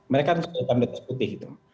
mereka sudah hitam di atas putih gitu